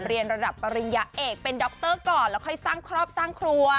เรียนระดับปริญญาเอกเป็นดรก่อนแล้วค่อยสร้างครอบครัวสร้างครัว